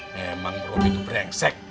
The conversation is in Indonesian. memang robi itu brengsek